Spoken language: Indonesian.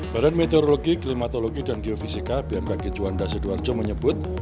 badan meteorologi klimatologi dan geofisika bmk kejuanda seduarjo menyebut